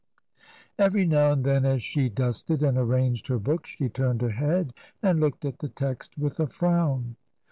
Every now and then as she dusted and arranged her books she turned her head and looked at the text with a frown.